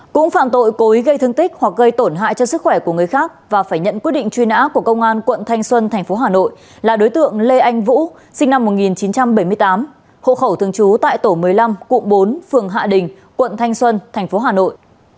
cũng phạm tội cố ý gây thương tích hoặc gây tổn hại cho sức khỏe của người khác và phải nhận quyết định truy nã của công an quận thanh xuân tp hà nội là đối tượng lê anh vũ sinh năm một nghìn chín trăm bảy mươi tám hộ khẩu thường trú tại tổ một mươi năm cụm bốn phường hạ đình quận thanh xuân thành phố hà nội